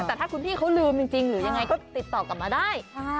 แต่ถ้าคุณพี่เขาลืมจริงหรือยังไงก็ติดต่อกลับมาได้